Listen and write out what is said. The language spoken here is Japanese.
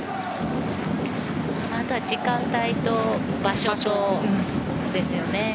あとは時間帯と場所ですよね。